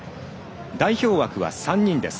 代表枠は３人です。